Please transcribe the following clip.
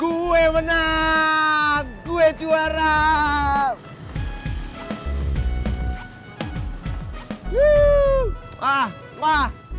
gue menang gue juara